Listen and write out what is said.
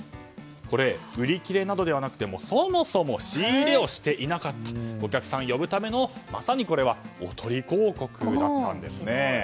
これ、売り切れなどではなくそもそも仕入れをしていなかったお客さんを呼ぶためのまさに、おとり広告だったんです。